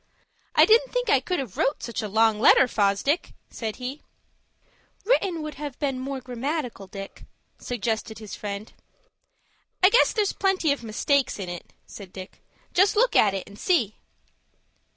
"I didn't think I could have wrote such a long letter, Fosdick," said he. "Written would be more grammatical, Dick," suggested his friend. "I guess there's plenty of mistakes in it," said Dick. "Just look at it, and see."